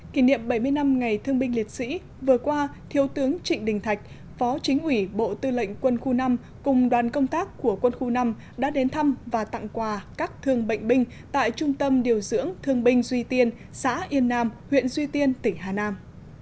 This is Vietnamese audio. kỷ niệm bảy mươi năm ngày thương binh liệt sĩ vừa qua thiếu tướng trịnh đình thạch phó chính ủy bộ tư lệnh quân khu năm cùng đoàn công tác của quân khu năm đã đến thăm và tặng quà các thương bệnh binh tại trung tâm điều dưỡng thương binh duy tiên xã yên nam huyện duy tiên tỉnh hà nam